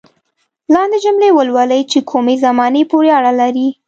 لاندې جملې ولولئ چې کومې زمانې پورې اړه لري.